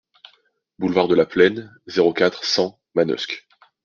Boulevard de la Plaine, zéro quatre, cent Manosque